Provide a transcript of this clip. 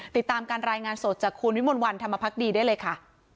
ติดตามการรายงานสดจากคุณวิมลวันธรรมพักดีได้เลยค่ะ